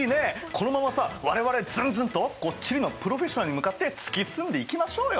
このままさ我々ズンズンとこう地理のプロフェッショナルに向かって突き進んでいきましょうよ！